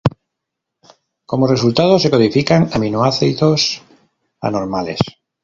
Como resultado, se codifican aminoácidos anormales.